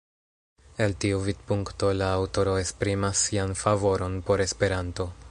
El tiu vidpunkto, la aŭtoro esprimas sian favoron por Esperanto.